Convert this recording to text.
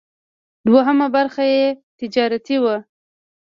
دوهمه برخه یې تجارتي وه.